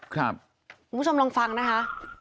คุณผู้ชมลองฟังนะคะ